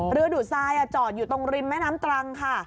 ดูดทรายจอดอยู่ตรงริมแม่น้ำตรังค่ะ